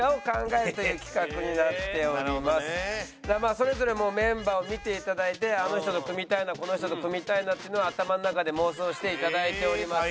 それぞれもうメンバーを見て頂いてあの人と組みたいなこの人と組みたいなっていうのは頭の中で妄想して頂いております。